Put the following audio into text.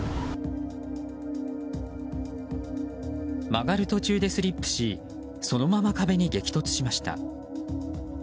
曲がる途中でスリップしそのまま壁に激突しました。